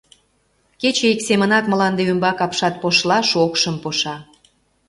Кече ик семынак мланде ӱмбак апшат пошла шокшым поша.